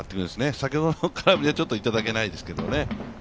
先ほどの空振りはちょっといただけないですけどね。